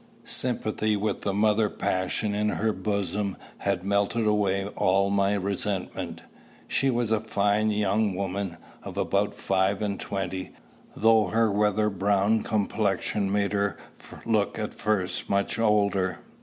Sympathy with the mother passion in her bosom had melted away all my resentment. She was a fine young woman, of about five and twenty, though her weather browned complexion made her look at first much older.